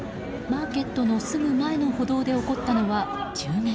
マーケットのすぐ前の歩道で起こったのは、銃撃。